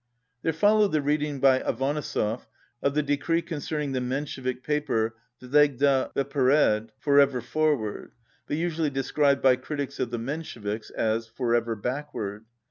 There followed the reading by Avanesov of the decree concerning the Menshevik paper Vsegda Vpered ("Forever Forward," but usually de scribed by critics of the Mensheviks as "Forever Backward").